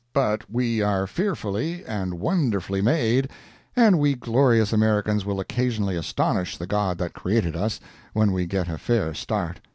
But we are fearfully and wonderfully made, and we glorious Americans will occasionally astonish the God that created us when we get a fair start.